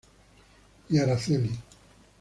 Y Araceli.